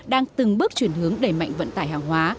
đang từng bước chuyển hướng đẩy mạnh vận tải hàng hóa